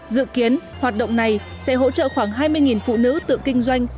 dự kiến hoạt động này sẽ hỗ trợ khoảng hai mươi phụ nữ tự kinh doanh